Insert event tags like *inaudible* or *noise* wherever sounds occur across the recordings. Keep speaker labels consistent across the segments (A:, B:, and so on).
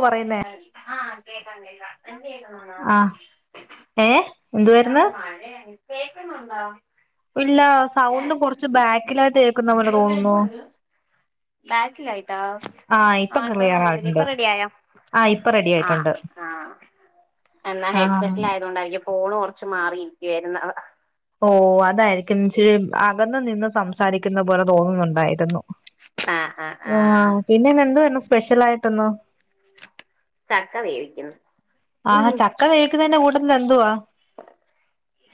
A: കെറേ നേ
B: ആഹ് കേക്കാം കേക്കാം.
A: ആഹ് ഏ എന്തുവായിരുന്നു
B: *unintelligible* കേക്കുന്നുണ്ടോ?
A: ഇല്ല സൗണ്ടും
B: ഏഹ്
A: കൊറച്ച് ബാക്കിലായിട്ട് കേക്കുന്ന പോലെ തോന്നുന്നു
B: ബാക്കിലായിട്ടാ
A: ഇപ്പൊ
B: ആഹ്
A: ക്ലിയർ
B: എന്തോന്നറിയത്തില്ല,
A: ആയിട്ടുണ്ട്
B: ഇപ്പൊ റെഡിയായോ?
A: ആഹ് ഇപ്പൊ റെഡി ആയിട്ടുണ്ട്
B: ആഹ് ആഹ് എന്നാ
A: ആഹ്
B: ഹെഡ്സെറ്റ്ലായി കൊണ്ടായിക്കു ഫോണ് കൊർച്ച് മാറിരിക്കേർന്ന്
A: ഓഹ് അതായിരിക്കും ച്ച് അകന്ന് നിന്ന് സംസാരിക്കുന്ന പോലെ തോന്നുന്നുണ്ടായിരുന്നു. ആഹ് പിന്നെന്താ ഇന്ന് സ്പെഷ്യലായിട്ടൊന്നു.
B: ചക്ക വേവിക്കുന്ന്
A: ആഹ് ചക്ക വേവിക്കുന്നയ്ന്റെ കൂട്ടത്തിലെന്തുവാ?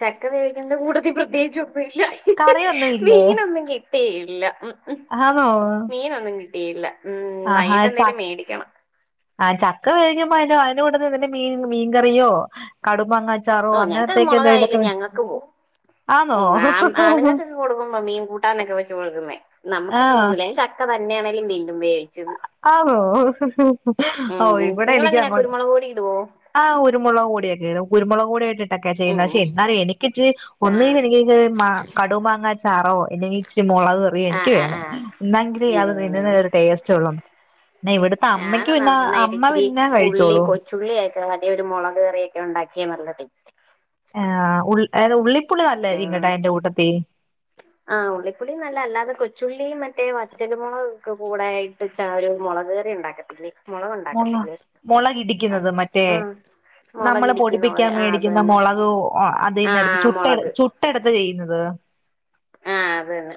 B: ചക്ക വേവിക്ക്ന്നേന്റ കൂട്ടത്തി പ്രത്യേകിച്ച് ഒന്നുല്ല.
A: കറിയൊന്നും ഇല്ലേ
B: മീനൊന്നും കിട്ടിയില്ല ഉം ഉം
A: ആണോ
B: മീനൊന്നും കി ട്ടിയില്ല ഉം
A: ആഹാ
B: വൈകിട്ട്
A: ച
B: എന്തേലും മേടിക്കണം.
A: ആഹ് ചക്ക വേവിക്കുബോ അയ്ന്റ അയ്ന്റെ കൂട്ടത്തി ന്തെ മീൻ മീൻകറിയോ കടുമാങ്ങ
B: ഓ ഞങ്ങക്ക മൊളകായാലു ഞങ്ങൾക്ക് പോ ആഹ് ആണ്
A: ആന്നോ
B: ആണുങ്ങൾക്കൊക്കെ കൊടുക്കുമ്പോ മീൻ കൂട്ടാന്നൊക്കെ വെച്ച് കൊടുക്കുന്നേ
A: ആഹ്
B: നമുക്കങ്ങനൊന്നുല്ല ഞ ച ക്കെ നല്ലേണേലും *unintelligible*
A: ആണോ ഓഹ് ഇവിടെ എനിക്ക്
B: നിങ്ങളെങ്ങനാ
A: അങ്ങോട്ട്.
B: കുരുമുളക് പൊടി ഇടുവോ
A: ആഹ് കുരുമൊളക് പൊടി ഒക്കെ ഇട് കുരുമൊളക് കൂടെ ഇട്ട് ക്കെ
B: ഉം
A: ചെയ്യ്ന്ന ശെ എന്നാലും എനിക്ക് ഇച്ചിരി
B: ആഹ്
A: ഒന്നേല് എനിക്കര് മാ കടു മാങ്ങ ചാറോ അല്ലെങ്കി. ച്ചിരി മോളകെറിയോ എനിക്ക്
B: ആഹ് ആഹ്
A: വേണം
B: ആഹ്
A: എന്നങ്കിലേ അത്
B: ഉം
A: നിന്ന ഒരു ടേസ്റ്റ് ഒള്ളു ന്ന ഇവിട്. ത്ത അമ്മയ്ക്ക്
B: ഞാന്
A: പിന്നെ അമ്മ പിന്നെ കഴിച്ചോളും.
B: ചുള്ളിയൊക്ക അതെ ഒരു മൊളകറിയൊക്കെ ഉണ്ടാക്കി നല്ല ടേസ്റ്റ
A: ആഹ് എ ഉള്ളിക്കുളി
B: ഉം
A: അല്ലായ്ക്കു അയ്ന്റെകൂട്ടത്തി.
B: ആഹ് ഉള്ളിതൊളി നല്ല അല്ലാതെ കൊച്ചുള്ളി മറ്റേ വറ്റൽമൊളക് ഒക്കെ കൂടായ് ച്ചാ ഒരു മൊളക്ക്കയറി ഇണ്ടാക്കത്തില്ലേ മൊളക
A: മുള
B: ഉണ്ടാക്കത്തില്ലേ അ
A: മുളകിടിക്കുന്നത് മറ്റേ
B: ആഹ്.
A: നമ്മള്
B: മുളകിടിക്കുന്ന
A: പൊടിപ്പിക്കാൻ
B: പോലെ ആഹ് അത്
A: മേടിക്കുന്ന
B: തന്നെ
A: മൊളകു അതിൽനെട്ത്ത്
B: ആഹ്
A: ചുട്ടെ
B: മുളക്
A: ചു ട്ടെട്ത്തെ ചെയ്യ്ന്നത്.
B: ആഹ് അതെന്നെ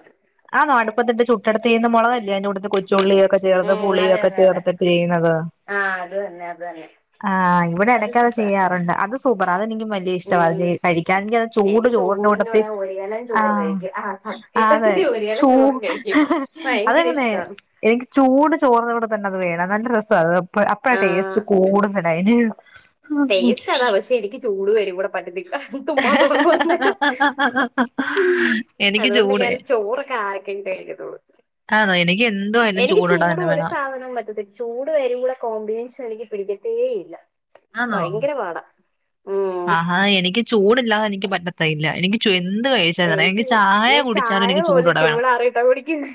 A: ആഹ് അടുപ്പത്തിട്ട് ചുട്ടെട്ത്ത് ചെയ്യുന്ന മൊളകല്ലേയിന്റെ കുട്ടത്തി കൊച്ചുള്ളിയൊക്കെ
B: അത് തന്നെ
A: ചേർത്
B: ഉം
A: പുളിയൊ
B: അതെ
A: ഒക്കെ
B: അതെ അതെ
A: ചേർത്ത് പീയ്യ്ന്നത്.
B: ആഹ് അത് തന്നെ അത് തന്നെ.
A: ആഹ് ഇവിടെ ഇടയ്ക്ക അത് ചെയ്യാറുണ്ട് അത് സൂപ്പറ അതെനിക്മെ ല്യ ഇഷ്ടവ
B: ഉം
A: ചെ കഴിക്കാൻ ഞ ചൂട്
B: എനിക്ക്
A: ചോറിന്റെ കൂടത്തി
B: കൂടെ ഒരു കലം ചോറ്
A: ആഹ്.
B: കഴിക്കും ആഹ്
A: ആഹ് അതെ
B: സത്യം ഒരു കലം
A: ചൂ
B: ചോറും കഴിക്കും ഭയങ്കര
A: അതെങ്ങനെ.
B: ഇഷ്ടാണ്
A: എനിക്ക് ചൂട് ചോർനൂട തന്നെ അത് വേണം നല്ല രസ അത് പ്പ അപ്പ ടേസ്റ്റ്
B: ആഹ്
A: കൂട്ന്നതയ്ന്.
B: ടേസ്റ്റ് അതാ പക്ഷെ എനിക്ക് ചൂട് വരി *unintelligible* ചുമ്മാ *unintelligible* ഉം
A: എനിക്ക്
B: അതോണ്ട്
A: ചൂട്
B: ഞാൻ ചോറൊക്കെ *unintelligible*
A: ആന്നോ എനിക്ക് എന്ന്
B: എനിക്ക് ചൂട് ഒര് സാധനവും പറ്റത്തി ചൂട് വരുംബള്ള കോമ്പിനേഷൻ എനിക്ക് പിടിക്കത്തേ ഇല്ല
A: ആന്നോ
B: ഭയങ്കര പാടാ ഉം
A: ആഹാ എനിക്ക് ചൂടില്ലാതെനിക്ക് പറ്റത്തെയില്ല എനിക്ക് ചു എന്ത് കഴി *unintelligible* എനി
B: എനിക്ക്
A: ചായ
B: ഞാൻ
A: കുടിച്ചാലും
B: ചായ
A: എനിക്ക്
B: പോലും
A: ചൂടോടെ വേണം
B: ചൂടാറിയിട്ടാ കുടിക്കുന്നെ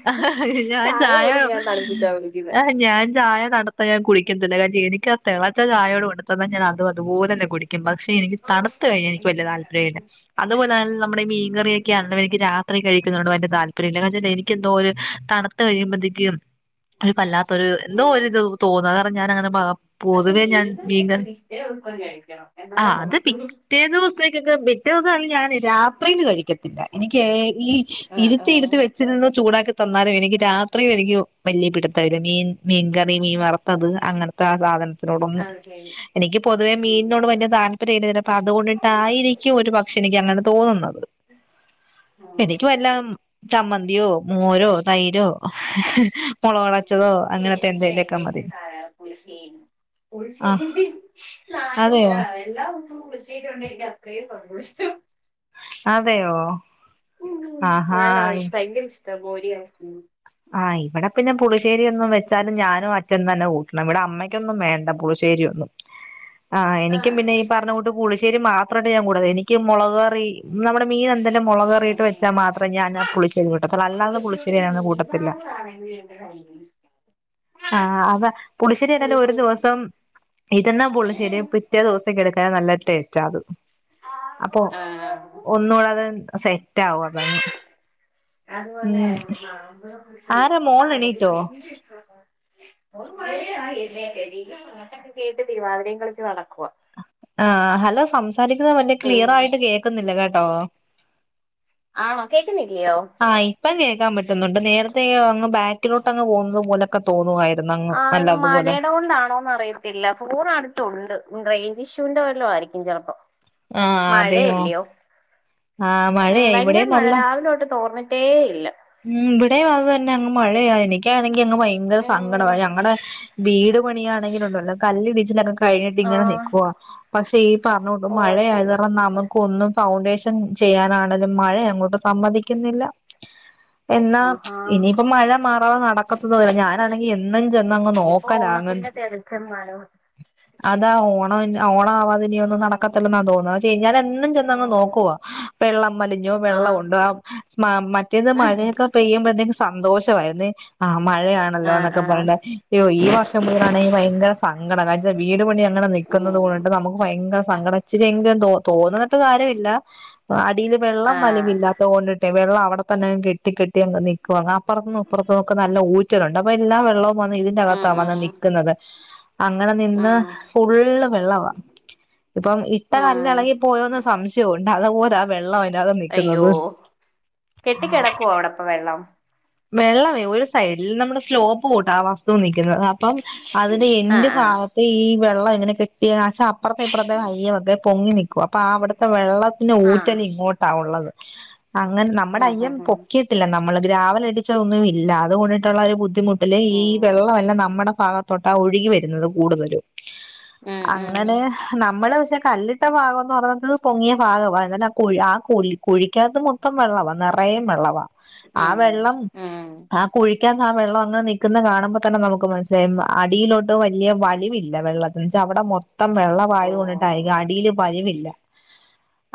A: ഞാൻ ചായ.
B: പോലും ഞാൻ തണുപ്പിച്ചാ കുടിക്കുന്നെ
A: ഏഹ് ഞാൻ ചായ നട പ്പ യാൻ കുളിക്കത്തില്ല എനിക്ക തിളച ചായോട് കൊണ്ട്ത്തന്നാ ഞാൻ അത് അപോലെന്നെ കുടിക്കും ബ എനിക്ക് തണ്ത്ത് കഴിഞ്ഞ എനിക്ക് വല്യ താല്പര്യല്ല. അതുപോലെ നമ്മുടെ ഈ മീൻകറിയൊക്കെന്ന് വെക്കും രാത്രി കഴിക്കുന്നണ്ട് വല്ല താല്പര്യല്ല എനിക്കെന്തോരു തണ ത് കഴിമ്പോത്തേക്കും അഹ് വല്ലാ ത്തൊരു എന്തോ
B: ഉം.
A: ഒരുത് തോന്നാ ആഹ് ആര്നം ഞാന അങ്ങനെ മ പൊതുവേ ഞാൻ മീൻ കറി.
B: ഏൾപ്പം കഴിക്കണം എന്നാലേ
A: ആഹ് അത്
B: കൊള്ളൂ
A: പിറ്റേ ദൂ *unintelligible* ബിറ്റുസ് ഞൻ രാത്രില് കഴിക്കത്തില്ല എനിക്കെ ഈ
B: ആ ആ
A: ഇരുത്തി ഇരുത്ത് വെ ച്ന്ന് ചൂടാക്കി തന്നാലും എനിക്ക് രാത്രിയും എനിക്ക് വല്യ പിട്ത്തവില്ല മീൻ മീൻ കറി മീൻ വറത്തത് അങ്ങനെ *unintelligible* ത്ത്നോടൊന്നും
B: അത് ശരി
A: എനിക്ക് പൊതുവെ മീൻനോട്
B: ഉം.
A: വല്യ താല്പര്യല്ല ചെലപ്പോ അത്കൊണ്ട് ട്ടായിരിക്കും ഒരു പക് പക്ഷെ എനിക്കങ്ങനെ തോന്നുന്നത്
B: ആ
A: എനിക്ക് വല്ലം ചമ്മന്തിയോ മോരോ തൈരോ മുളകരച്ചതോ
B: എനിക്ക്
A: അങ്ങനത്തെ
B: എന്റെ
A: എന്തേലൊക്കെ മതി
B: പുളിശ്ശേരി
A: ആഹ്
B: പുളിശ്ശേരിന്റെ
A: അതെയോ
B: *unintelligible* എല്ലാ ദിവസവും പുളിശ്ശേരി കിട്ടിടുണ്ടെങ്കി അത്രേം സന്തോഷ്ടം
A: അതെയോ ആഹാ
B: ഞാനാള് ഭയങ്കര ഇഷ്ട്ടാ മോര് കാച്യേ
A: ആഹ് ഇവിടെ പിന്നെ പുളിശ്ശേരി ഒന്നും വെച്ചാലും ഞാനും അച്ഛൻ തെന്നെ ഊട്ടണം ഇവിടെ അമ്മയ് നിക്കൊന്നും വേണ്ട പുളിശ്ശേരി ഒന്നും ആഹ് എനിക്കും പിന്ന ഈ പറഞ്ഞ കൂട്ട് പുളി്ശേരി മാത്രമേ മുട എനിക്ക് മുളക് കറി നമ്മടെ മീൻ എന്തനെ മുളകയറിയി്ട്ട് വെച്ചാ മാത്രേ ഞാനാ
B: ആ
A: പുളിശേരി കൂട്ടത്തൊള്ളു അല്ലാത
B: പുളിശ്ശേരി
A: പുളി്ശേരി ഞാന് കൂട്ട
B: *unintelligible*
A: ആഹ് അതാ പുളിശ്ശേരിതെന്നെ ഒരു
B: പുളിശ്ശേരി
A: ദിവസം ഇര്ന്നാ പുളിശ്ശേരി പ് പിറ്റേ ദിവസൊക്കെ എട്ക്കാൻ നല്ല ടേസ്റ്റാ അത് അപ്പൊ
B: ആ.
A: ഒന്നുടെ അത് സെറ്റ് ആകും അതങ്ങ്
B: അതുപോലെ *inaudible*
A: ഉം
B: *unintelligible*
A: ആരാ മോള് എണീറ്റോ
B: പാട്ടൊക്കെ കേട്ട് തിരുവാതിരേം കളിച്ച് നടക്കുവ
A: ആഹ്‌ ഹലോ സംസാരിക്കുന്നത് വല്യ ക്ലിയർ
B: ഉം
A: ആയിട്ട് കേക്കുന്നില്ല കേട്ടോ
B: ആണോ കേക്കുന്നില്ലിയോ
A: ആഹ് ഇപ്പം കേക്കാൻ പറ്റുന്നുണ്ട് നേരത്തെ അങ്ങ് ബാക്കിലോട്ടങ്ങ് പോകുന്നത് പോലെ ക്കെ തോന്നുവായിരുന്നു അങ്ങ് നല്ലതുപോലെ
B: എന്ത് കൊണ്ടാണോന്ന് അറിയ ഇല്ല ഫോണ് അടുത്തുണ്ട് റെയിഞ്ച് ഇഷ്യൂന്റെ വല്ലോം ആയിരിക്കും ചെലപ്പോ
A: ആഹ്‌ അതെയോ
B: മഴയല്ലയോ
A: ആഹ്‌
B: ഉം
A: മഴയായി
B: ഭയങ്കര
A: ഇവിടേം
B: മഴ
A: നല്ല
B: രാവിലെ തൊട്ട് തോർന്നിട്ടേ ഇല്ല
A: ഉം ഇവിടെയു അത് തെന്നെയാ അങ്ങ് മഴയാ എനിക്കാണെങ്കി അങ്ങ് ഭയങ്കര
B: ഉം
A: സങ്കടവാ ഞങ്ങടെ വീട് മണിയാണെങ്കി ഒണ്ടല്ലോ കല്ലിടിച്ചിലൊക്കെ കാ കഴിഞ്ഞിട്ട് ഇങ്ങനെ
B: ആഹ്
A: നിക്കുവാ. പക്ഷെ ഈ പറഞ്ഞോണ്ട്
B: ഓ
A: മഴ
B: അത്
A: ആയത്
B: ശരി
A: കാരണം നമക്കൊന്നും ഫൗണ്ടേഷൻ ചെയ്യാനാണെങ്കിലും മഴയങ്ങോട്ട് സമ്മതിക്കുന്നില്ല എന്നാ
B: ആഹാ
A: ഇനിയിപ്പ മഴ മാറാതെ നടക്കത്തതുല്ല ഞാനാണെങ്കി എന്നും ചെന്ന് അങ്ങ് നോക്കലാണ്
B: എളച്ചമ്മാരോ
A: അതാ ഓണവി ഓണാവാതെ ഇനി ഒന്നും
B: ഉം
A: നടക്കത്തില്ലെന്നാ തോന്നുന്നത് അത് ചീനലെ എന്നും ചെന്നങ്
B: ഉം
A: നോക്കുവാ വെള്ളം വലിഞ്ഞോ വെള്ളം
B: ആഹ്
A: ഉണ്ടോ മാ മറ്റേത്
B: ആഹ്
A: മഴയൊക്കെ പെയ്യുമ്പഴത്തേക്കും സന്തോഷവായിരുന്നെ ആഹ്‌ മഴയാണ ണല്ലോ എന്നൊക്കെ
B: ആഹ്
A: പർഞ്ഞിട്ട് ഇയ്യോ ഈ വർഷം മുതലാണെ ഭയങ്കരസങ്കടം അതായത് വീട് പണി അങ്ങനെ നിക്കുന്നത്
B: ഉം
A: കൊണ്ട് നമുക്ക് ഭയങ്കര സങ്കടം ഇച്ചിരി എങ്കിലും തോ തോന്ന്ട്ട് കാര്യമില്ല അടീല് വെള്ളം
B: ആഹ്
A: വലിവില്ല തോർന്നിട്ടെ വെള്ളം അവടതെന്നെ അങ്ങ് കെട്ടി കെട്ടി അങ് നിക്കുവാ അപ്പർത്ത്ന്നും ഇപ്പർത്ത്ന്നും ഒക്കെ നല്ല ഊറ്റലുണ്ട് അപ്പൊ എല്ലാ വെള്ളോ മതിലിന്റെ
B: ഉം
A: അകത്താണത്
B: ഉം
A: നിക്കുന്നത് അങ്ങനെ നിന്ന്
B: ഉം
A: ഫുള്ള് വെള്ളവാ ഇപ്പം ഇട്ട കല്ല്
B: ഉം
A: എളകി പോയന്ന് സംശയവുണ്ട് അതുപോലെ വെള്ളം അതിനകത്ത്
B: അയ്യോ
A: നിക്കുന്നത്
B: കെട്ടിക്കിടക്കുവാണോ അവിടെ ഇപ്പൊ വെള്ളം
A: വെള്ളമേ ഒരു സൈഡിൽ നമ്മുടെ സ്ലോപ്പ് കൂട്ടാ ആ വസ്തു നിക്കുന്നത് അപ്പം അതിന്റെ
B: ആഹ്
A: എന്റ്
B: ആഹ്
A: ഭാഗത്ത് ഈ വെള്ളം ഇങ്ങനെ കെട്ടി ആചാ അപ്പ്രത്തെ ഇപ്പ്രത്തെ ഹയ്യ് *unintelligible* പൊങ്ങി നിക്കുവാ അപ്പം ആ അവിടുത്തെ വെള്ളം പിന്നെ
B: ആഹ്
A: ഊറ്റല് ഇങ്ങോട്ടാ ഉള്ളത് അങ്ങനെ നമ്മടെ
B: ഉം ഉം
A: അയ്യം
B: ഉം
A: പൊക്കിയിട്ടില്ല നമ്മള് രാവിലെ *unintelligible* അതുകൊണ്ടിട്ടുള്ള ഒരു ബുദ്ധിമുട്ടല്
B: ഓ
A: ഈ വെള്ളവെല്ലാം നമ്മുടെ ഭാഗ തൊട്ടാ ഒഴുകി വരുന്നത് കൂടുതലും
B: ഉം ഉം
A: അങ്ങനെ നമ്മള് പക്ഷെ കല്ലിട്ട ഭാഗം എന്ന് പറഞ്ഞത് പൊങ്ങിയ ഭാഗവാ എന്നാലും ആ കൊഴി ആ കുഴി കുഴിക്കകത്ത് മൊത്തം വെള്ളവാ നിറയേ വെള്ളവാ ആ
B: ഉം
A: വെള്ളം
B: ഉം
A: ആ കുഴിക്കാൻ ആ വെള്ളംങ്ങ് നിക്കുന്നത് കാണുമ്പോ തെന്നെ നമുക്ക് മനസ്സിലായും അടിയിലോട്ട് വെല്യ വലിവില്ല വെള്ളത്തിന്. അവിടെ മൊത്തം വെള്ളം
B: ഓ
A: പായക്കണ്ടിട്ട് അടിൽ പഴിവില്ല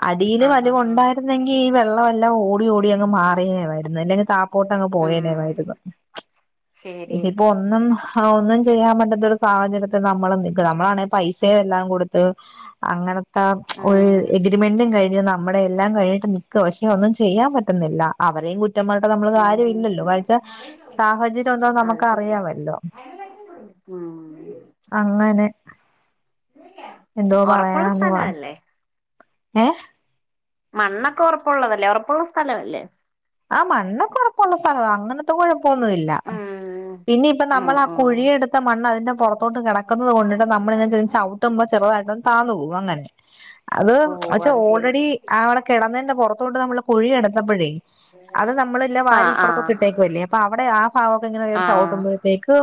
A: അടിൽ
B: ആഹ് ആഹ് ആഹ്
A: വലിവുണ്ടായിരുന്നെങ്കിൽ ഈ വെള്ളം എല്ലാം ഓടി ഓടി അങ്ങ് മാറിയിരുന്നു അല്ലെങ്കിൽ താപ്പോ ട്ടങ്ങ്
B: ഉം
A: പോയേനാമായിരുന്നു
B: ശരി
A: *unintelligible* ഒന്നും ഒന്നും ചെയ്യാൻ പറ്റാത്ത ഒരു സാഹചര്യത്തിൽ നമ്മൾ നിക്ക്ണ നമ്മളാണെ പൈസ എല്ലാം കൊടുത്ത് അങ്ങനത്തെ ഒരു
B: ഉം
A: എഗ്രിമെന്റും കഴിഞ്ഞു നമ്മുടെ എല്ലാം കഴിഞ്ഞിട്ട് നിക്ക പക്ഷെ ഒന്നും ചെയ്യാൻ പറ്റുന്നില്ല അവരെയ കുറ്റം പറഞ്ഞിട്ട് നമ്മള്
B: ഉം
A: കാര്യ
B: ഉം
A: ല്ലല്ലോ
B: ഉം
A: കഴിച്ച സാഹചര്യം എന്താ
B: അത്
A: നമുക്ക്
B: ശരിയാ
A: അറിയാമല്ലോ
B: ഉം
A: അങ്ങനെ എന്തോ
B: ഒറപ്പുള്ള
A: പറയാനന്ന് പ
B: സ്ഥലവല്ലേ
A: ഏഹ്
B: മണ്ണൊക്കെ ഒറപ്പുള്ളതല്ലേ ഉറപ്പുള്ള സ്ഥലല്ലേ
A: ആ മണ്ണൊക്കെറപ്പുള്ള സ്ഥലോ അങ്ങനത്തെ കൊഴപ്പൊന്നുല്ല
B: ഉം
A: പിന്നയിപ്പ
B: ഉം
A: നമ്മൾ ആ
B: ഉം
A: കുഴിയെടുത്ത മണ്ണതിന്റെ പുറത്തോട്ട് കിടക്കുന്നത് കൊണ്ടിട്ട് നമ്മളിങ്ങനെ ചവി ട്ടുമ്പോ ചെറുതായിട്ട് ഒന്ന് താന്നോകും അങ്ങനെ അത്
B: ഓ
A: പച്ചെ
B: അത് ശരി
A: ഓൾറെഡി അവിടെ കിടന്നതിന്റെ പുറത്തോട്ട് നമ്മള് കുഴി എടുത്തപ്പഴേ അത് നമ്മളെല്ലാ വാരി
B: ആഹ്
A: ഇപ്പറത്തൊട്ട
B: ആഹ്
A: ട്ടേക്കല്ലേ അപ്പൊ അവടെ ആ ഭാഗക്കെങ്ങനെ
B: ആഹ്
A: ചവിട്ടുമ്പോ ത്തേക്ക്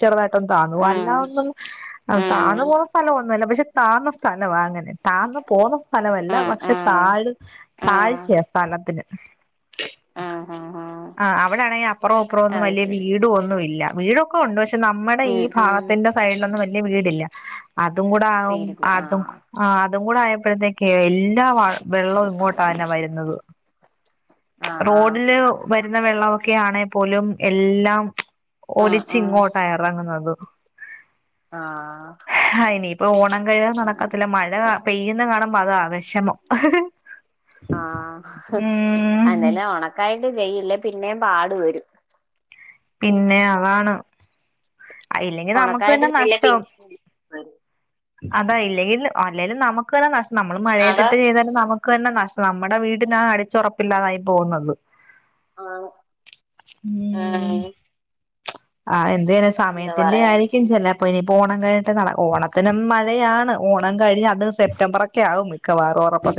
A: ചെറുതായിട്ടൊന്ന് താന്നു പോവും
B: ഉം
A: അല്ലാതെ ഒന്നും
B: ഉം
A: താന്നു പോകുന്ന സ്ഥലമൊന്നുല്ല പക്ഷെ താന്ന സ്ഥലവാ അങ്ങനെ താന്ന് പോവും സ്ഥലമല്ല
B: ഉം
A: പക്ഷെ
B: ഉം
A: താഴ്
B: ഉം
A: താഴ്ചയാ സ്ഥലത്തിന്
B: ഉം ഉം ഉം
A: ആഹ് അവിടെ ആണെങ്കിൽ അപ്പറോ ഇപ്പറോ ഒന്നും
B: അത്
A: വല്യ
B: ശരി
A: വീട് ഒന്നും ഇല്ല വീട ഉണ്ട് പക്ഷെ നമ്മടെ ഈ
B: ഉം ഉം
A: ഭാഗത്തിന്റെ സൈഡിലൊന്നും വലിയ വീടില്ല അതും കൂടെ ആകും
B: പേരില്ല
A: ആത്തും
B: ആഹ്
A: ആ അതും കൂടെ ആയപ്പഴത്തേക്ക് എല്ലാ വ വെള്ളവും ഇങ്ങോട്ടാന്നെ വരുന്നത്
B: ആഹ്
A: റോഡില് വരുന്ന വെള്ളമൊക്കെയാണെ പോലും എല്ലാം
B: ആഹ്
A: ഒലിച്ച്
B: ആഹ്
A: ഇങ്ങോട്ടായെറങ്ങുന്നത്
B: ആഹ്
A: ആഹ് ഇനിപ്പൊ ഓണം കഴിയാതെ
B: അങ്ങനെ
A: നടക്കത്തില്ല മഴ പെയ്യുന്ന കാണുമ്പോ അതാ വിഷമം
B: ആ
A: ഉം
B: അന്നലും ഉണക്കായിട്ട് ചെയ്യില്ലേ പിന്നേ പാടു വരും
A: പിന്നെ ആണ് അയില്ലെങ്കിൽ നമുക്ക്
B: ഒണക്കായിട്ട്
A: തന്നെ
B: ചെയ്തില്ല
A: നഷ്ടം
B: പിന്നേം വരും
A: അതാ ഇല്ലെങ്കിൽ അല്ലേലും നമുക്ക് തന്നെ നഷ്ട്ടം നമ്മള്
B: അതാ
A: മഴയത്തിട്ട് ചെയ്താലും നമുക്ക് ക്ക് തന്നെ നഷ്ടം. നമ്മുടെ വീടിനാ അടിച്ചുറപ്പില്ലാതായി പോകുന്നത്
B: ആഹ്
A: ഉം
B: ഏഹ്
A: ആഹ് എന്തേലു
B: എന്താ
A: സമയത്തിന്റെ
B: പറയാ
A: ആയിരിക്കും ചെല അപ്പ ഇനിയിപ്പോ ഓണം കഴിഞ്ഞിട്ട പ്പോ ഇനിപ്പോ ഓണത്തിനും മഴയാണ് ഓണം കഴിഞ്ഞ് അത് സെപ്റ്റംബറക്കെ ആവും ക്കവാറും ഉറപ്പ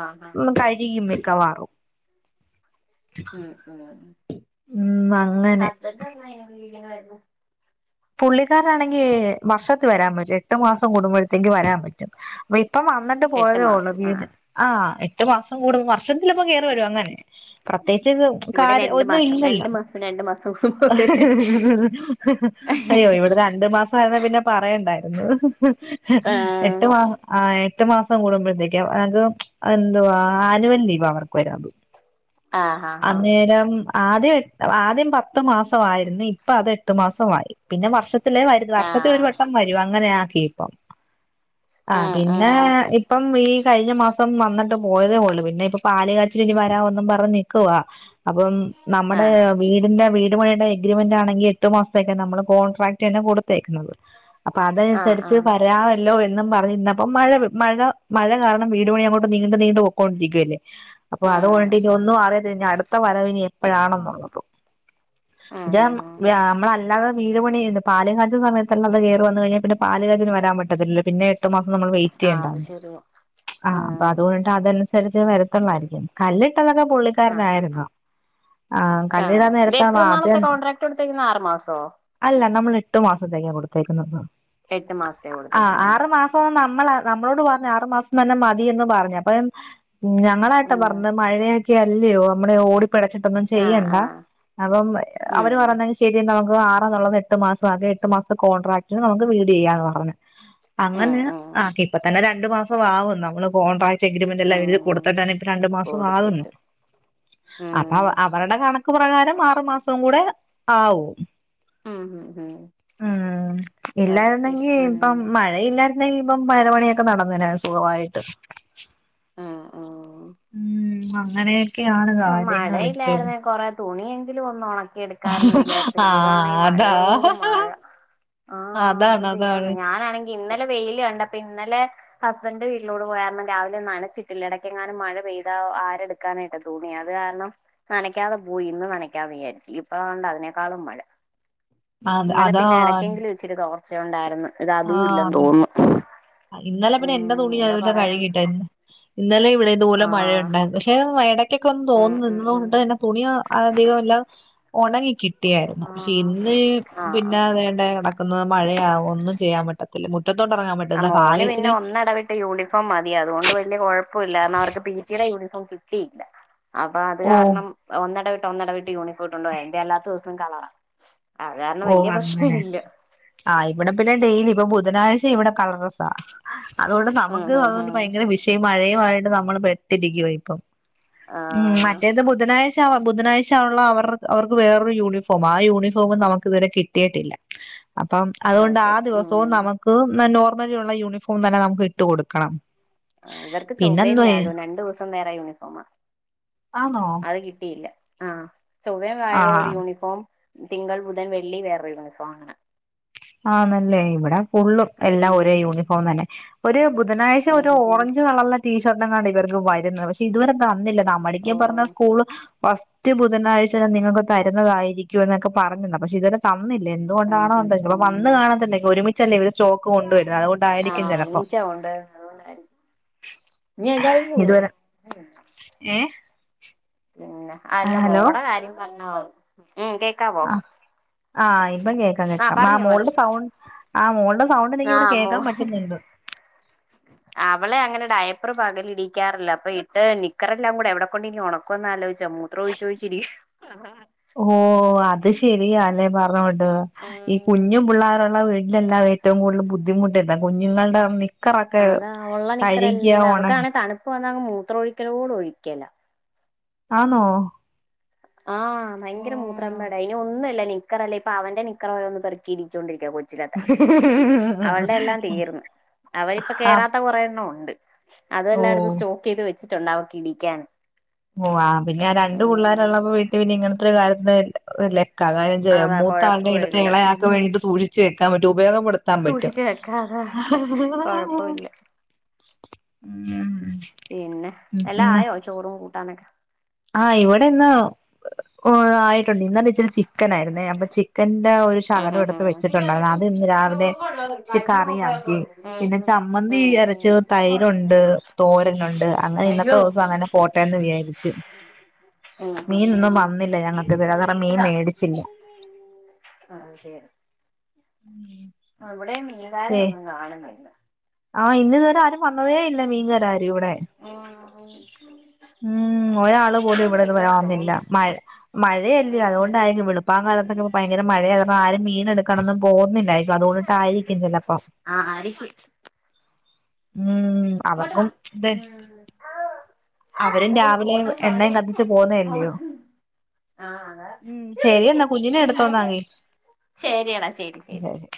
B: ആഹ് ആഹ്
A: കഴിയും മിക്കവാറും
B: ഉം ഉം
A: ഉം അങ്ങനെ
B: *unintelligible*
A: പുള്ളിക്കാരാണെങ്കിൽ വർഷത്തി വരാൻ പറ്റും എട്ടു മാസം കൂടുമ്പോഴത്തേക്ക് വരാൻ പറ്റും അപ്പോ ഇപ്പം വന്നിട്ട്
B: എട്ട്
A: പോയതേള്ളൂ
B: മാസം
A: വീട്
B: ആഹ്
A: ആഹ് എട്ട് മാസം കൂടു വർഷത്തിലിപ്പ കയറി വരും അങ്ങനെ പ്രത്യേകിച്ച് ഇത്
B: ഇവിടെ
A: കാര്യം
B: രണ്ട് മാസം
A: ഒന്നുംല്ലല്ലോ
B: രണ്ട് മാസം രണ്ട് മാസം കൂടുമ്പോ വരും
A: *unintelligible* രണ്ടു മാസമായിരുന്ന പിന്നെ പറയണ്ടായിരുന്നു
B: ആഹ്
A: എട്ടു മാസം ആഹ് എട്ട് മാസം കൂടുമ്പോത്തേക്ക് അത് എന്തുവാ ആനുവൽ ലീവാ അവർക്ക് വരാ
B: ആഹ് ആഹ്
A: അന്നേരം ആദ്യം ആദ്യം പത്ത് മാസയിരുന്നു ഇപ്പ അത് എട്ട് മാസമായി പിന്നെ വർഷത്തല് വരും, വർഷത്തിലൊരു വട്ടം
B: ആഹ്
A: വരും അങ്ങനെ ആക്കിപ്പം ആഹ് പിന്നെ ഇപ്പം ഈ കഴിഞ്ഞ മാസം സം വന്നിട്ട് പോയതേ ഉള്ളൂ പിന്നെ ഇപ്പൊ പാല് കാച്ചില് ഇനി വരാന്നും പറഞ്ഞ് നിക്കുവാ അപ്പം നമ്മുടെ
B: ആഹ്
A: വീടിന്റെ വീട് പണിയുടെ അഗ്രിമെന്റ് ആണെങ്കിൽ എട്ടു മാസത്തേക്കെ നമ്മള് കോട്രാക്ട് കൊടുത്തേക്കുന്നത് അപ്പൊ
B: ആഹ് ആഹ് ആഹ്
A: അതനുസരിച് വര ല്ലോ എന്നും പറഞ്ഞിരിന്ന്പ്പ മഴ മഴ മഴ കാരണം വീട്പണി അങ്ങോട്ട് നീണ്ടും നീണ്ടു പൊക്കോണ്ടിരിക്കുവല്ലേ അപ്പൊ
B: ആഹ്
A: അതുകൊണ്ട് ഇനി ഒന്നും അറിയ കഴിഞ്ഞാ അടുത്ത വരവിനി എപ്പോഴാണെന്നുള്ളത്
B: ആഹ് ആഹ് ആഹ്
A: നമ്മളല്ലാതെ വീട് പണി പാല് കാച്ചല് സമയത്തല്ല അത് കയറി വന്നു കഴിഞ്ഞാ പിന്നെ പാല് കാച്ചിന് വരാൻ പറ്റത്തിലല്ലോ പിന്നെ എട്ട് മാസം നമ്മൾ വെയിറ്റ്
B: ആഹ്
A: ചെയ്യേണ്ടാ
B: അത് ശരിയാ
A: ആഹ് അപ്പൊ അതുകൊണ്ടിട്ട് അതനുസരിച്ച് വരത്തോള്ളതായിരിക്കും കല്ലിട്ടതൊക്കെ
B: ആഹ് ആഹ്
A: പുള്ളിക്കാരനായിരുന്നു ആഹ് കല്ലിടാൻ നേരത്താ ആ വാർഡ്
B: ടുത്തേക്കുന്ന ആറ് മാസോ
A: അല്ല നമ്മൾ എട്ടു മാസത്തേക്കാ കൊടുത്തേക്കുന്നത്
B: എട്ട് മാസത്തെ
A: ആ
B: കൊടുത്തേക്കുന്നെ
A: ആറു മാസ നമ്മള നമ്മളോട് പറഞ്ഞു ആറ് മാസം തന്നെ മതിയന്ന് പറഞ് അപ്പ മ്മ് ഞങ്ങളായിട്ട്
B: ഉം
A: പറഞ് മഴയാക്കെല്ലയോ നമ്മള് ഓടി പിടച്ചിട്ടൊന്നും
B: ആഹ്
A: ചെയ്യണ്ട.
B: ആഹ്
A: അപ്പം
B: ഉം
A: അവര് പറഞ്ഞ ശരി നമുക്ക് ള്ളത് എട്ട് മാസം ആകാം. എട്ട് മാസത്തെ കോൺട്രാക്ടിന് നമുക്ക് വീട് ചെയ്യാന്ന് പറഞ്ഞു
B: ഉം
A: അങ്ങനെ
B: ഉം
A: ആക്കി ഇപ്പ തന്നെ രണ്ടു മാസം ആവു നമ്മള് കോൺട്രാക്ട് എഗ്രമെന്റ് എല്ലാം എഴത്
B: ഉം
A: കൊടുട്ടാണ് ഇപ്പ രണ്ടു മാസംമാകുന്നു
B: കൊടുത്തിട്ട് ഉം
A: അപ്പൊ അവരുടെ കണക്ക് പ്രകാരം ആറു മാസം കൂടെ ആവും
B: ആംഹാ
A: ഉം ഇല്ലായിരുന്നെങ്കി
B: ഉം
A: ഇപ്പം മഴ ഇല്ലായിരുന്നെങ്ക ഇപ്പം പരമണിയൊക്കെ നടന്നേനാണ് സുഖമായിട്ട്
B: ഉം ഉം
A: ഉം അങ്ങനെയൊക്കെയാണ്
B: ഓഹ്
A: കാര്യങ്ങ ഇപ്പോ
B: മഴയില്ലായിരുന്നെ കൊറെ തുണിയെങ്കിലും ഒന്ന് ഉണക്കിെടുക്കാരന്ന് വിചാരിച്ചിരിക്ക ഇതാണ
A: ആഹ് അതാ
B: മഴയോടും മഴ ആഹ്
A: അതാണ്
B: എന്തോ
A: അതാണ്
B: ചെയ്യാണ് ഞാനാണെങ്കി ഇന്നലെ വെയില് കണ്ട അപ്പൊ ഇന്നലെ ഹസ്ബൻഡറ് വീട്ടിലോട് പോയാരരുന്നുണം രാവിലെ നനച്ചിട്ടില്ല ഇടയ്ക്കെ എങ്ങാനും മഴ പെയ്താ ആരെടുക്കാനായിട്ടത് ഭൂങ്ങി അത് കാരണം നനക്കാതെ പോയി ഇന്ന് നനക്കാതെ വിചാരിച്ചു ഇപ്പഴ കണ്ട് അതിനേക്കാളും മഴ
A: അത്
B: ഇന്നലെ പിന്നെ
A: അതാണ്
B: ഇടയ്ക്കെങ്കിലും വെച്ചിട്ട് കുറച്ച കൊണ്ടായിരുന്നു ഇത് അതും
A: ആഹ്
B: ഇല്ലന്ന്
A: അതെ
B: തോന്നുന്നു
A: ഇന്നലെ പിന്നെ എന്റെ
B: ഉം
A: തുണി
B: എന്താ
A: അല്ല
B: പറയാ
A: കഴുകിട്ടായിന്ന് ഇന്നലെ ഇവിടെ നൂല
B: ആഹ്
A: മഴയണ്ടായിരുന്നു പക്ഷേ *unintelligible* ക്ക ഒന്ന്
B: ഉം
A: തോന്നി
B: ഉം
A: നിന്നത
B: ഉം
A: കൊണ്ട് തന്നെ തുണി അധികം എല്ലാം ഉണങ്ങി കി കുട്ടിയായിരുന്നു ക്ഷേ
B: ആഹ്
A: ഇന്ന്
B: ആഹ്
A: പിന്നെ
B: ആഹ്
A: അതേണ്ട കിടക്കുന്നത് മഴയാ ഒന്നും ചെയ്യാൻ പറ്റത്തില്ല മുറ്റത്തോട്ട ഇറങ്ങാൻ
B: ആ
A: പറ്റല്ല
B: മോന് പിന്നെ ഒന്നിടവിട്ട് യൂണിഫോം മതിയ അതുകൊണ്ട് വലിയ കുഴപ്പമില്ല കാരണം അവർക്ക് പി ജിയുടെ യൂണിഫോം കിട്ടിയില്ല അപ്പൊ അത്
A: ഓ
B: കാരണം ഒന്നിടവിട്ട് ഒന്നിടവിട്ട് യൂണിഫോട്ട്ണ്ട പോയന്റെ അല്ലാത്ത ദിവസവും കളറാ അത് കാരണം
A: ഓ
B: വലിയ പ്രശ്നം
A: അങ്ങനെ
B: ഇല്ല
A: അഹ് ഇവിടെ പിന്നെ ഡെയിലി ഇപ്പൊ ബുധനാഴ്ച ഇവിടെ കളറസാ അതുകൊണ്ട്
B: ഉം
A: നമുക്ക്
B: ഉം
A: അതുകൊണ്ട്
B: ഉം
A: ഭയങ്കര വിഷ മഴയുമായിട്ട് നമ്മള് പെട്ടിരിക്കുവ പോ ഇപ്പം
B: ആ
A: ഉം മറ്റേന്ത ബുധനായ ബുധനാഴ്ച ആള്ള അവർക്ക് അവർക്ക് വേറൊരു യൂണിഫോം ആ യൂണിഫോമ നമുക്ക് ഇതുവരെ കിട്ടിയിട്ടില്ല അപ്പം
B: അത്
A: അതുകൊണ്ട് ആ
B: ശരി
A: ദിവസവും
B: ഉം
A: നമുക്ക് നോർമലിയ ള്ള യൂണിഫോം തന്നെ നമുക്ക് ഇട്ട് കൊടുക്കണം
B: അഹ് ഇവർക്ക് ചൊവയും
A: പിന്നെന്തുവാ
B: വ്യാഴവും രണ്ടു ദിവസം വേറെ യൂണിഫോം
A: ആന്നോ
B: അത് കിട്ടിയില്ല ആഹ് ചൊവ്ം വാഴ ഒരു
A: ആഹ്
B: യൂണിഫോം തിങ്കൾ ബുധൻ വെള്ളി വേറൊരു യൂണിഫോം ആണ്
A: ആന്നല്ലേ ഇവിടെ ഫുള്ളും എല്ലാം
B: ഉം
A: ഒരേ യൂണിഫോം തന്നെ ഒരു ബുധനാഴ്ച
B: ഉം
A: ഒരു
B: ഉം
A: ഓറഞ്ച് കളറിലുള്ള ടീഷർട്ട് എങ്ങെയാണ് ഇവർക്ക് വരുന്നത് പക്ഷെ ഇതുവരെ തന്നില്ല
B: ഓ
A: നമ്മടക്ക പറഞ്ഞ സ്കൂള് ഫസ്റ്റ് ബുധനാഴ്ച തന്ന നിങ്ങൾക്ക് തരുന്നതായിരിക്കും എന്നൊക്കെ പറഞ്ഞില്ല പക്ഷെ ഇതുവരെ തന്നില്ലേ
B: ഉം
A: എന്തുകൊണ്ടാണോ
B: ഉം
A: എന്തെ വന്നു
B: ഉം
A: കാണ ന്നെ ഒരുമിച്ചല്ലേ ഇവത് സ്റ്റോക്ക് കൊണ്ടുവരരുന്നു
B: ആ
A: അതുകൊണ്ടായിരിക്കും
B: ഉം
A: ചിലപ്പോ
B: ഉച്ച ഉണ്ട് അതുകൊണ്ടായിരിക്കും *unintelligible*
A: ഏയ്
B: പിന്നാ അല്ല മോളുടെ കാര്യം പറഞ്ഞൂ ഉം കേൾക്
A: അഹ് ആ ഇപ്പം കേൾക്കാം കേക്കാം ആ മോളുടെ സൗണ്ട് അഹ് മോളുടെ സൗണ്ട് എനിക്ക്
B: ആ
A: ഇവിടെ
B: മോ
A: കേൾക്കാൻ പറ്റുന്നുണ്ട്
B: അവളെ അങ്ങനെ ഡയപ്പർ പകൽ ഇടിക്കാറില്ല അപ്പൊ ഇട്ട് നിക്കറെ എല്ലാം കൂടെ എവിടെ കൊണ്ട് ഇനി ഉണക്കുവന്ന് ആലോചിച്ച മൂത്രമൊഴിച്ചു ഒഴിച്ച് ഇരിക്കുവാ
A: ഓഹ് അത് ശെരിയായല്ലേ പറഞ്ഞോണ്ട് ഈ
B: ഉം
A: കുഞ്ഞു പിള്ളേരുള്ള വീട്ടിലെല്ലാം ഏറ്റവും കൂടുതൽ ബുദ്ധിമുട്ട കുഞ്ഞുങ്ങള
B: അതാ ഉള്ള നിക്കറ എല്ലാം
A: ഒണ
B: അവക്കാണെ തണുപ്പ് വന്നാ മൂത്രമ ഒഴിക്കലോടെ ഒഴിക്കല
A: ആണോ
B: അഹ് ഭയങ്കര മൂത്രാമ്പാട അയിന ഒന്നുംല്ല നീ *unintelligible* ഇപ്പൊ അവന്റെ നിക്കര ഓരോന്ന് പെറുക്കി ഇടിച്ചോണ്ട് ഇരിക്കുവാ *unintelligible* *unintelligible* അവളുടെ എല്ലാം തീർന്ന അവരിപ്പ
A: ആഹ്
B: കയറാത്ത കുറെ എണ്ണം ഉണ്ട്
A: ഓ
B: അതെല്ലായിടത്തും സ്റ്റോക്ക് ചെയ്ത് വെച്ചിട്ടുണ്ട അവർക്ക് ഇടിക്കാൻ
A: ഓഹ് ആ പിന്നെ ആ രണ്ട്
B: ഉം
A: പിള്ളോരള്ളപ്പോ വീട്ടിൽ പിന്നെ ഇങ്ങനത്തെ ഒരു കാര്യത്തിന് അല്ലെ കാക *unintelligible*
B: അതാ
A: മൂത്ത ആൾടെ എടുത്തെ
B: കൊഴപ്പമില്ല
A: ഇളയാക്ക്
B: ഉം
A: വേണ്ടിട്ട് സൂക്ഷിച്ച് വെക്കാൻ പറ്റും ഉപയോഗപ്പെടു ത്താമ്പറ്റും.
B: സൂക്ഷിച്ച് വെക്കാം അതാ കൊഴപ്പമില്ല പിന്നെ എല്ലാ ആയോ ചോറും കൂട്ടാനൊക്കെ.
A: ആഹ് ഇവടിന്ന്. ഓഹ് ആയിട്ടുണ്ട് ഇന്നലെചിരി ചിക്കൻ ആയിരുന്നേ അപ്പൊ ചിക്കന്റ ഒരു.
B: ഉം
A: സാധനു
B: ഉം ഉം
A: എടുത്ത്
B: ഉം
A: വെച്ചിട്ടുണ്ടായിരുന്നു അത് ഇന്ന് രാവിലെ ഇച്ചിരി കറിയാക്കി പിന്നെ ചമ്മന്തി അരച്ച്.
B: ഉം
A: തൈരുണ്ട് തോരനുണ്ട് അങ്ങനെ ഇന്നത്തെ
B: ഉം
A: ദിവസം അങ്ങനെ പോട്ടേന്ന് വിചാരിച്ചു. മീന് ഇന്ന്
B: ഉം ഉം
A: വന്നില്ല ഞങ്ങക്ക്തരെ അത് കാരണം മീൻ മേടിച്ചില്ല.
B: ആഹ് ആഹ് ശെ
A: ഉം.
B: ആഹ് ഇവടെം മീകാരെ ഒന്നും കാണുന്നുല്ല.
A: ആഹ് ഇന്ന് ഇതുവരെ ആരും വന്നതേ ഇല്ല മീൻകാരെ ആരും ഇവടെ. ഉം ഒരാള് പോലും ഇവിടെ ഇത്വരെ വന്നില്ല മഴ. മഴയല്ലെ അതുകൊണ്ടായിരിക്കും വളുപ്പാം കാലത്തൊക്കെപ്പൊ ഭയങ്കര മഴയയത് ആപ്പാരും മീനെടുക്കണന്നു പോവുന്നില്ലായിരിക്കും അതുകൊണ്ട്. ആയിരിക്കും ചെലപ്പം.
B: ആഹ് അടിഫു
A: ഉം
B: ഇങ്ങോട്ട് വാ
A: അവർക്കും ത്. അവരും
B: ഓ
A: രാവിലെ
B: ഓട്ടം തുടങ്ങി
A: എണ്ണയും കത്തിച്ചു പോവുന്നയല്ലയോ.
B: ഓട്ടം ആ അതാ
A: ഉം ശരി എന്നാ കുഞ്ഞിനെ എടുത്തോന്നാങ്ങി ശരി.